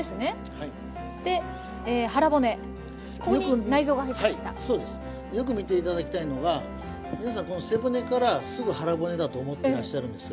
はいそうです。よく見ていただきたいのが皆さんこの背骨からすぐ腹骨だと思ってらっしゃるんですが。